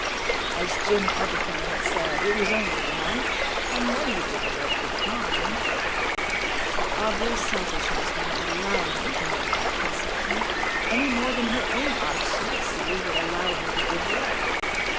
As Jim Arbuthnot had said, it was only a month, a negligible length of time, but Aubrey's selfishness would not allow him to make that concession any more than her own obstinacy would allow her to give way.